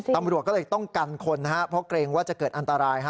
ตำรวจก็เลยต้องกันคนนะครับเพราะเกรงว่าจะเกิดอันตราย